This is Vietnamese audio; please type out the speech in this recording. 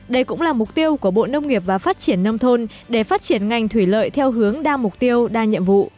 đây cũng là mục tiêu của bộ nông nghiệp và phát triển nông thôn để phát triển ngành thủy lợi theo hướng đa mục tiêu đa nhiệm vụ